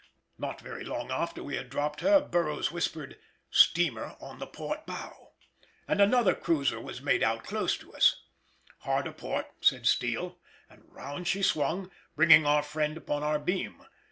Not very long after we had dropped her Burroughs whispered,— "Steamer on the port bow." And another cruiser was made out close to us. "Hard a port," said Steele, and round she swung, bringing our friend upon our beam.